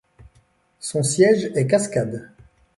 Son siège est Cascade.